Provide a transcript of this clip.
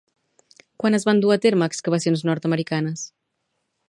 Quan es van dur a terme excavacions nord-americanes?